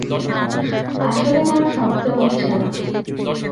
আসলে কোনো শব্দ হচ্ছে না।